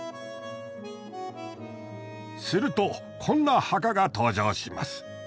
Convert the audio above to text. するとこんな墓が登場します。